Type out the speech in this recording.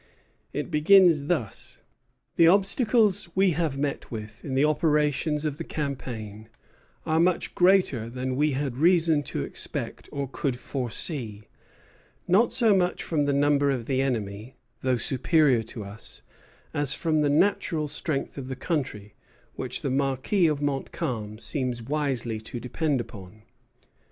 It begins thus: "The obstacles we have met with in the operations of the campaign are much greater than we had reason to expect or could foresee; not so much from the number of the enemy (though superior to us) as from the natural strength of the country, which the Marquis of Montcalm seems wisely to depend upon.